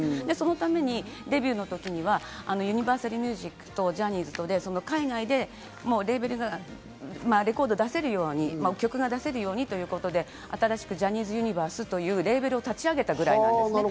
ためにデビューの時にはユニバーサルミュージックとジャニーズとで、海外でレコード出せるように曲が出せるようにということで、新しいＪｏｈｎｎｙ’ｓＵｎｉｖｅｒｓｅというレーベルを立ち上げたぐらいなんです。